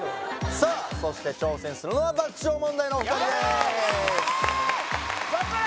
さあそして挑戦するのは爆笑問題のお二人です頑張れ！